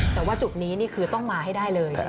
แต่ว่าจุดนี้คือต้องมาให้ได้เลยใช่ไหมครับ